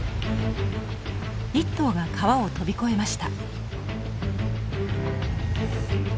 １頭が川を飛び越えました。